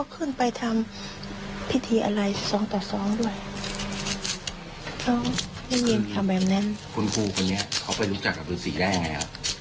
คุณครูคนนี้เค้าไปรู้จักกับฤษีได้ยังไงอ่ะ